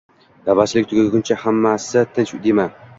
Navbatchilik tugaguncha hammasi tinch dema